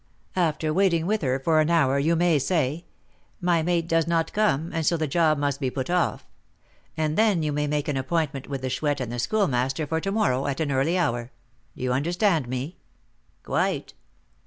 "After waiting with her for an hour, you may say, 'My mate does not come, and so the job must be put off;' and then you may make an appointment with the Chouette and the Schoolmaster for to morrow, at an early hour. Do you understand me?" "Quite."